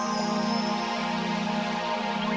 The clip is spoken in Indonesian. jangan lupa untuk mencoba